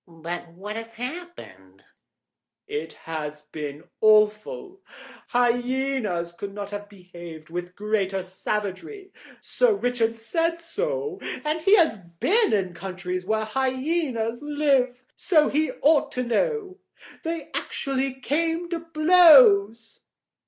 "But what has happened?" "It has been awful. Hyænas could not have behaved with greater savagery. Sir Richard said so, and he has been in countries where hyænas live, so he ought to know. They actually came to blows!"